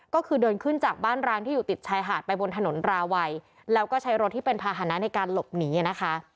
ก็คือเดินขึ้นจากบ้านร้างที่อยู่ติดชายหาดไปบนถนนราวัยแล้วก็ใช้รถที่เป็นภาษณะในการหลบหนีนะคะ